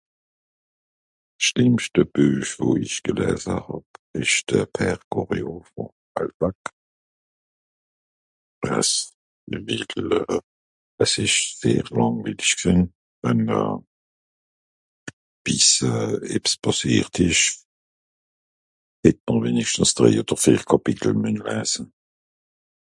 's schlimmschte Büesch wo ich geläse hàb isch de Père Goriot vom Balzac X X X es isch sehr làngwiilisch gsinn denn bis euh ebs pàssiert isch het mr wenigschtens drei oder vier Kàpitel mien läse